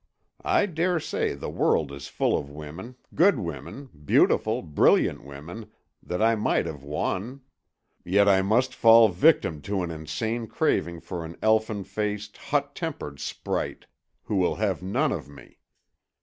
I dare say the world is full of women, good women, beautiful, brilliant women, that I might have won. Yet I must fall victim to an insane craving for an elfin faced, hot tempered sprite who will have none of me.